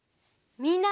みんな。